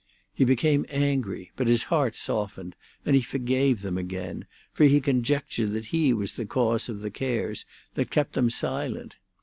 He became angry, but his heart softened, and he forgave them again, for he conjectured that he was the cause of the cares that kept them silent.